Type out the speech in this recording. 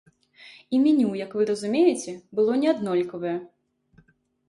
І меню, як вы разумееце, было не аднолькавае.